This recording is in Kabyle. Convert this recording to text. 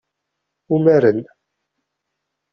Umaren.